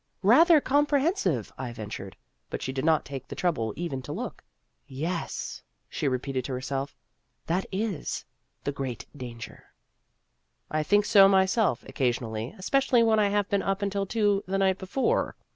"" Rather comprehensive," I ventured, but she did not take the trouble even to look. " Yes," she repeated to herself, " that is ' The Great Danger.' ' I think so myself occasionally espe cially when I have been up until two the night before.